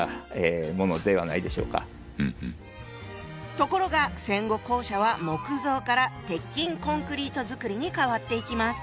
ところが戦後校舎は木造から鉄筋コンクリート造りにかわっていきます。